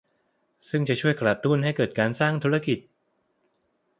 ซึ่งจะช่วยกระตุ้นให้เกิดการสร้างธุรกิจ